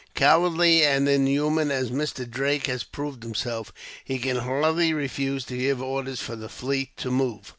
Cowardly and inhuman as Mr. Drake has proved himself, he can hardly refuse to give orders for the fleet to move."